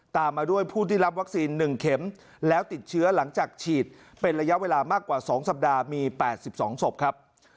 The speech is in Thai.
ตามมาด้วยผู้ที่รับวัคซีน๑เข็มแล้วติดเชื้อหลังจากฉีดเป็นระยะเวลามากกว่า๒สัปดาห์มี๘๒ศพครับ